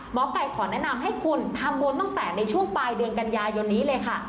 หมอไก่ขอแนะนำให้คุณทำบุญตั้งแต่ในช่วงปลายเดือนกันยายนนี้เลยค่ะ